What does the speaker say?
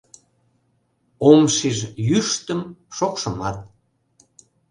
Ом шиж йӱштым, шокшымат.